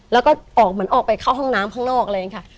แล้วก็ออกเหมือนออกไปเข้าห้องน้ำข้างนอกอะไรอย่างนี้ค่ะ